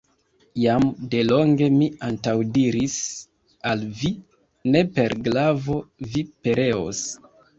Jam delonge mi antaŭdiris al vi: ne per glavo vi pereos!